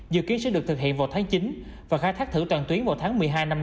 dự kiến sẽ được thực hiện vào tháng chín và khai thác thử toàn tuyến vào tháng một mươi